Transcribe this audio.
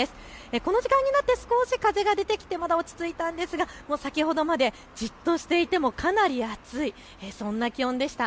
この時間になって少し風が出てきて落ち着いたんですが先ほどまでじっとしててもかなり暑い、そんな気温でした。